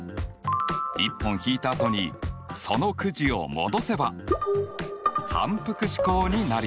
１本引いたあとにそのクジを戻せば反復試行になるよ！